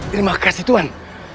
terima kasih tuhan